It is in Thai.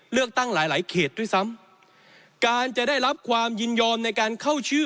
เลือกตั้งหลายหลายเขตด้วยซ้ำการจะได้รับความยินยอมในการเข้าชื่อ